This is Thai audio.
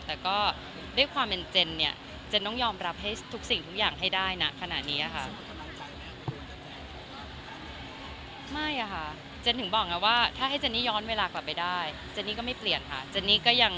แต่ก็ด้วยความเป็นเจนเนี่ยเจนต้องยอมรับให้ทุกสิ่งทุกอย่างให้ได้นะขนาดนี้ค่ะ